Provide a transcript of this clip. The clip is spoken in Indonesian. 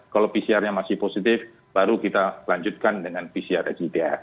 kalau pcr nya masih positif baru kita lanjutkan dengan pcr sgts